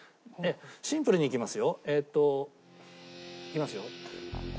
シンプルにいきますよ。いきますよ。